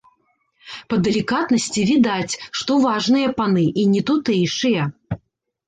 Па далікатнасці відаць, што важныя паны і не тутэйшыя.